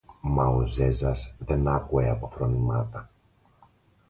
Μα ο Ζέζας δεν άκουε από φρονιμάδα